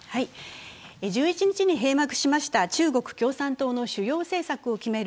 １１日に閉幕しました中国共産党の主要政策を決める